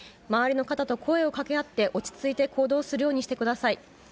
周りの方と声を掛け合って落ち着いて行動するようにしてください。